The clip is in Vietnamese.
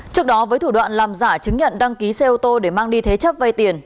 trước đó với thủ đoạn làm giả chứng nhận đăng ký xe ô tô để mang đi thế chấp vay tiền